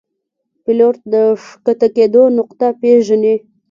پیلوټ د ښکته کېدو نقطه پیژني.